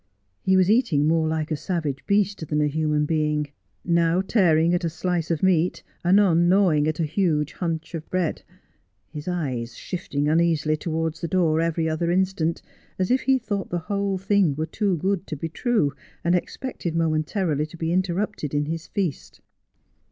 He was eating more like a savage beast than a human being ; now tearing a slice of meat, anon gnawing at a huge hunch of bread ; his eyes shifting uneasily towards the door every other instant, as if he thought the whole thing were too good to be true, and expected momentarily to be interrupted in his feast.